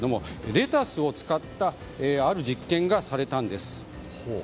レタスを使ったある実験がされたんです。